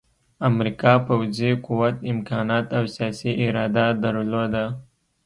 امریکا پوځي قوت، امکانات او سیاسي اراده درلوده